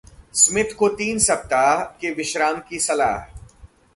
Smith को तीन सप्ताह के विश्राम की सलाह